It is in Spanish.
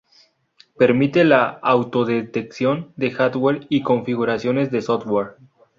Permite la auto-detección de hardware y configuraciones de software.